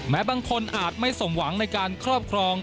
บางคนอาจไม่สมหวังในการครอบครอง